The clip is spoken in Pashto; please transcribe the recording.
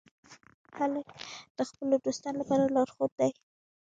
هلک د خپلو دوستانو لپاره لارښود دی.